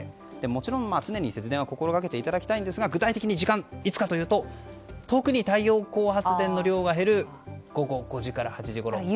もちろん常に節電は心がけていただきたいんですが具体的に時間いつかというと特に太陽光発電の量が減る午後５時から８時ごろ。